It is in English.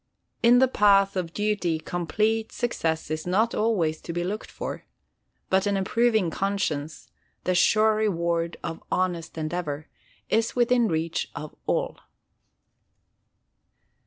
In the path of duty complete success is not always to be looked for; but an approving conscience, the sure reward of honest endeavour, is within reach of all.